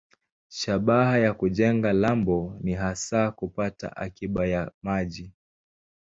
Shabaha ya kujenga lambo ni hasa kupata akiba ya maji.